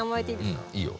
うんいいよ。